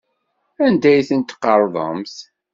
Anda ay tent-tqerḍemt?